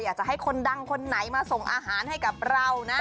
อยากจะให้คนดังคนไหนมาส่งอาหารให้กับเรานะ